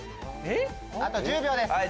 あと１０秒です。